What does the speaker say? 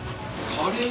カレー？